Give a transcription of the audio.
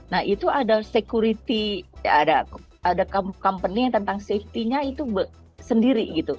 nah itu ada security ada company tentang safety nya itu sendiri gitu